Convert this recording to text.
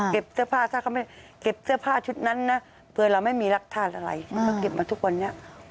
เก็บเสื้อผ้าชุดนั้นเผื่อเราไม่มีรักษาอะไรเขาเก็บมาทุกวันนี้